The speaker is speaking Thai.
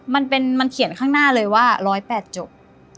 มันเขียนข้างหน้าเลยว่า๑๐๘จบ